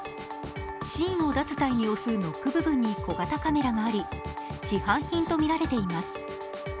芯を出す際に押すノック部分に小型カメラがあり市販品とみられています。